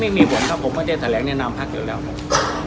ไม่มีผลครับผมไม่ได้แถลงแนะนำพักอยู่แล้วครับ